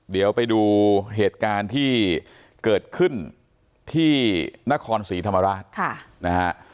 เดี๋ยวไปดูเหตุการณ์ที่เกิดขึ้นที่นครศรีธรรมราชนะฮะ